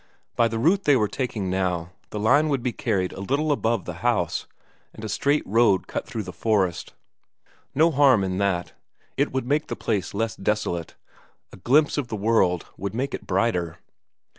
By the route they were taking now, the line would be carried a little above the house, and a straight road cut through the forest. No harm in that. It would make the place less desolate, a glimpse of the world would make it brighter.